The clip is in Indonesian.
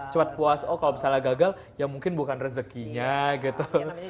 cepat puas oh kalau misalnya gagal ya mungkin bukan rezekinya gitu